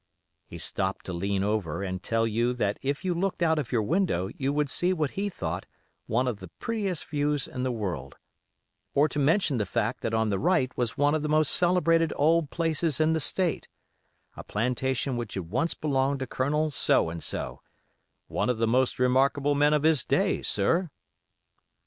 He stopped to lean over and tell you that if you looked out of your window you would see what he thought one of the prettiest views in the world; or to mention the fact that on the right was one of the most celebrated old places in the State, a plantation which had once belonged to Colonel So and So, 'one of the most remarkable men of his day, sir.